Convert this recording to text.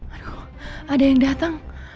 aduh ada yang datang